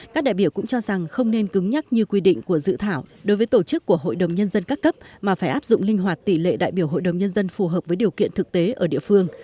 các đại biểu cũng cho rằng không nên cứng nhắc như quy định của dự thảo đối với tổ chức của hội đồng nhân dân các cấp mà phải áp dụng linh hoạt tỷ lệ đại biểu hội đồng nhân dân phù hợp với điều kiện thực tế ở địa phương